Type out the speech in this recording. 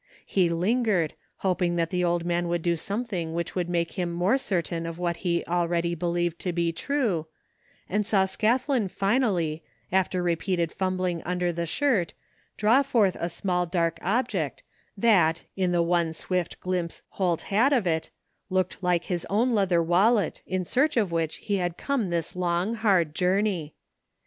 He lingered, hoping that the old man would do some thing which would make him more certain of what he already believed to be true, and saw Scathlin finally, after repeated fumbling under the shirt, draw forth a small dark object that, in the one swift glimpse Holt had of it, looked' like his own leather wallet in search of which he had come this long hard journey.